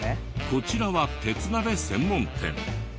こちらは鉄鍋専門店。